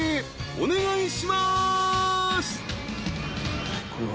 お願いします。